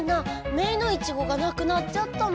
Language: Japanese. メイのイチゴがなくなっちゃったの！